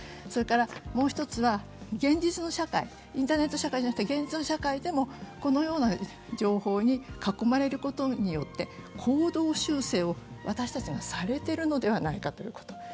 それからもう一つは、インターネットじゃなくて、現実の社会でも、このような情報に囲まれることによって、行動修正を私たちがされているのではないかということ。